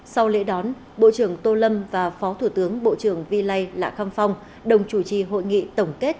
sau lễ đón bộ trưởng tô lâm và phó thủ tướng bộ trưởng viên lây lạc kham phong đồng chủ trì hội nghị tổng kết